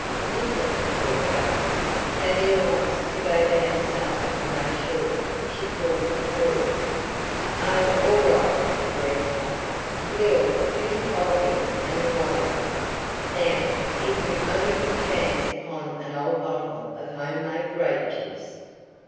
"Listen!" called Dorothy. "Tavia wants you to go down cellar to make sure," she called to the boys. "Oh, all right," agreed Tom. "We'll do the coal bin and the wine cellar. Now, if we only could chance upon an old bottle of home made grape juice!"